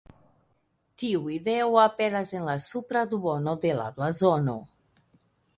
Tiu ideo aperas en la supra duono de la blazono.